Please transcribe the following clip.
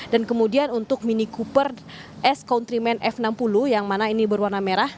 dan kemudian untuk mini cooper s countryman f enam puluh yang mana ini berwarna merah